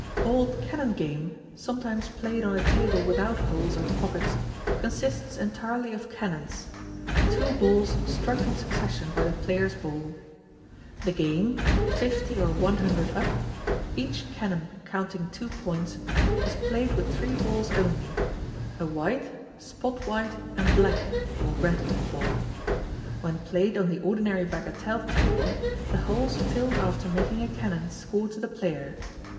Old Canon Game, sometimes played on a table without holes or pockets, consists entirely of canons two balls struck in succession by the player's ball. The game, 50 or 100 up, each canon counting two points, is played with three balls only a white, spot white, and black (or red) ball. When played on the ordinary bagatelle table, the holes filled after making a canon score to the player.